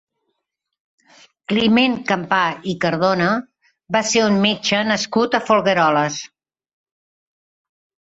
Climent Campà i Cardona va ser un metge nascut a Folgueroles.